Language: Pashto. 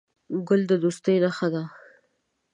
ګل د دوستۍ نښه ده.